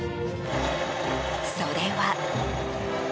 それは。